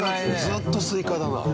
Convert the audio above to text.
ずっとスイカだな。